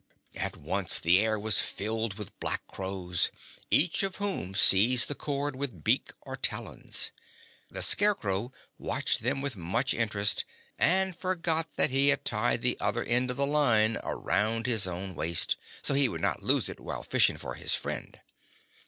At once the air was filled with black crows, each of whom seized the cord with beak or talons. The Scarecrow watched them with much interest and forgot that he had tied the other end of the line around his own waist, so he would not lose it while fishing for his friend.